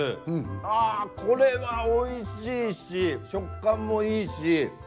あこれはおいしいし食感もいいし。